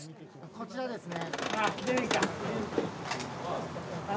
こちらですね。